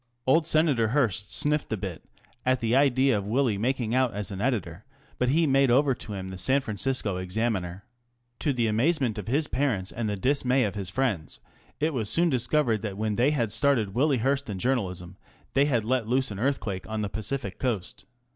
Old Senator Hearst sniffed a bit at the idea of Willie making out as an editor, but he made over to him the San Francisco Exami?ier. To the amazement of his parents and the dismay of his friends, it was soon discovered that when they Hon. J. B. Foraker. had started Willie Hearst in journalism they had let loose an earthquake on the Pacific Coast.